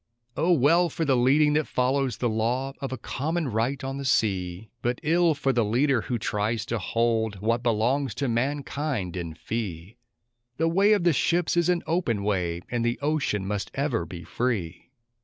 O well for the leading that follows the law of a common right on the sea! But ill for the leader who tries to hold what belongs to mankind in fee! The way of the ships is an open way, and the ocean must ever be free!